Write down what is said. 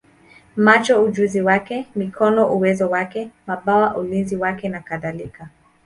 macho ujuzi wake, mikono uwezo wake, mabawa ulinzi wake, nakadhalika.